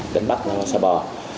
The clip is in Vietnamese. đến bắc xa bò